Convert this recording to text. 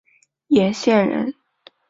剡县人。